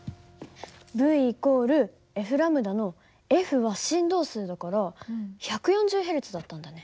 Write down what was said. υ＝λのは振動数だから１４０Ｈｚだったんだね。